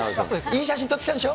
いい写真撮ってきたんでしょ。